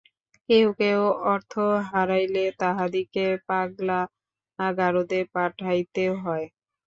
কেহ কেহ অর্থ হারাইলে তাহাদিগকে পাগলা-গারদে পাঠাইতে হয়।